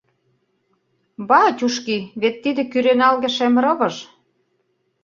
«Батюшки, вет тиде кӱреналге-шем рывыж!»